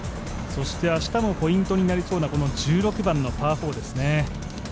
明日もポイントになりそうな、１６番のパー４ですね。